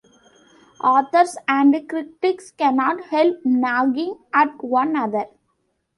Authors and critics cannot help nagging at one another.